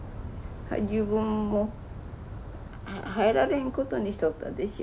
自分も入られんことにしとったでしょ